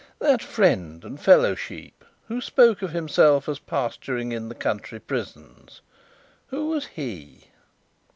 That friend and fellow Sheep, who spoke of himself as pasturing in the country prisons; who was he?"